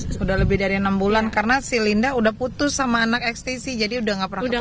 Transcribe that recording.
sudah lebih dari enam bulan karena si linda sudah putus sama anak ekstisi jadi sudah tidak pernah ketemu lagi